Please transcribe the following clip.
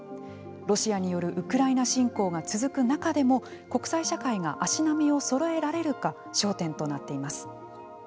ロシアによるウクライナ侵攻が続く中でも国際社会が足並みをそろえられるか焦点となっています。